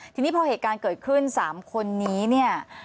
ทีนี้พอเหตุการณ์เกิดขึ้น๓คนนี้เนี่ย